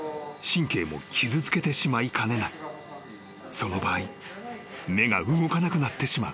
［その場合目が動かなくなってしまう］